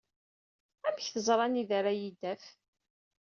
Amek teẓra anida ara iyi-d-taf?